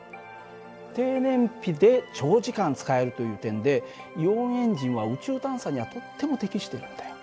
低燃費で長時間使えるという点でイオンエンジンは宇宙探査にはとっても適してるんだよ。